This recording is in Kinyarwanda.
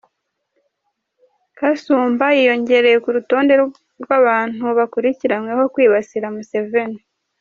Kasumba yiyongereye ku rutonde rw’abantu bakurikiranyweho kwibasira Museveni.